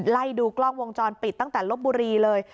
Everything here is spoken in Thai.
ไล่ดูกล้องวงจรปิดตั้งแต่ลบบุรีเลย